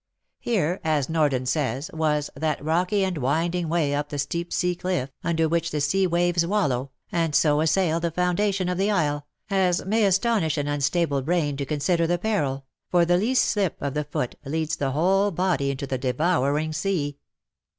" Here" as Norden says, was ^^ that rocky and winding way np the steep sea cliff, under which the sea waves w^allow, and so assail the foundation of the isle, as may astonish an unstable brain to consider the peril, for the least slip of the foot leads the whole body into the devouring sea."